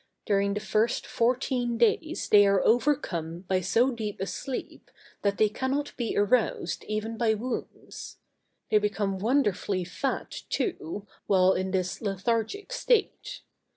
During the first fourteen days they are overcome by so deep a sleep, that they cannot be aroused even by wounds. They become wonderfully fat, too, while in this lethargic state.